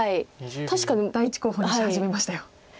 第１候補にし始めましたよ。